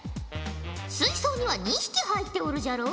水槽には２匹入っておるじゃろう。